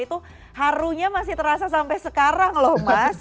itu harunya masih terasa sampai sekarang loh mas